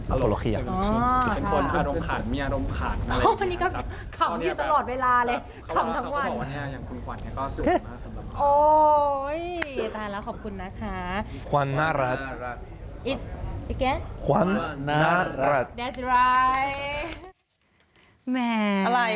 อันนี้ก็ขำอยู่ตลอดเวลาเลย